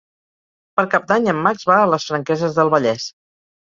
Per Cap d'Any en Max va a les Franqueses del Vallès.